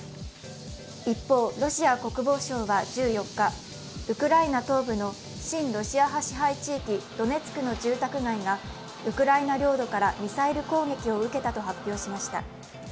一方、ロシア国防省は１４日ウクライナ東部の親ロシア支配地域、ドネツクの住宅街がウクライナ領土からミサイル攻撃を受けたと発表しました。